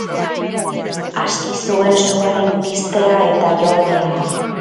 Aski zuen suaren piztea eta joatea.